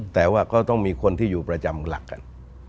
แต่ว่าก็ต้องมีคนที่อยู่ประจำหลักกัน